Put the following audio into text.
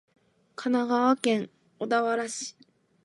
神奈川県小田原市